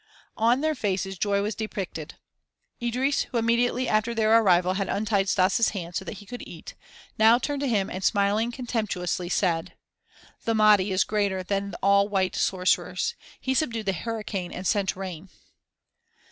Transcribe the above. On their faces joy was depicted. Idris, who immediately after their arrival had untied Stas' hands so that he could eat, now turned to him and smiling contemptuously said: "The Mahdi is greater than all white sorcerers. He subdued the hurricane and sent rain."